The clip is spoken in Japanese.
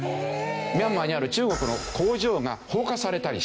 ミャンマーにある中国の工場が放火されたりして。